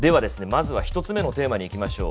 まずは１つ目のテーマにいきましょう。